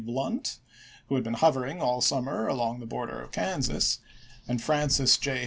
Blunt (who had been hovering all summer along the border of Kansas) and Francis J.